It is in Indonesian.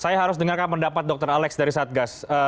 saya harus dengarkan pendapat dr alex dari satgas